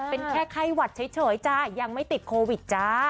เป็นแค่ไข้หวัดเฉยจ้ะยังไม่ติดโควิดจ้า